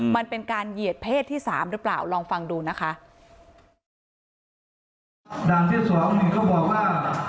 มันเป็นการเหยียดเพศที่สามหรือเปล่าลองฟังดูนะคะ